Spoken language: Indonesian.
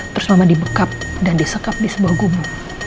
terus mama dibekap dan disekap di sebuah gumu